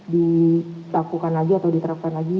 dilakukan lagi atau diterapkan lagi